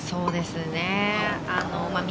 そうですね。